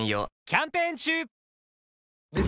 キャンペーン中！